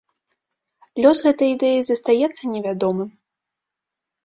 Лёс гэтай ідэі застаецца невядомым.